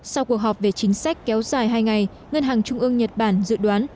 sau cuộc họp về chính sách kéo dài hai ngày ngân hàng trung ương nhật bản dự đoán